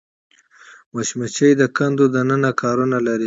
مچمچۍ د کندو دننه کارونه لري